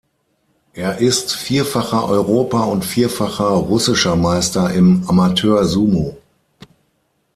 Er ist vierfacher Europa- und vierfacher Russischer Meister im Amateur-Sumō.